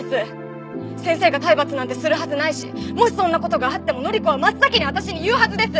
先生が体罰なんてするはずないしもしそんな事があっても範子は真っ先に私に言うはずです！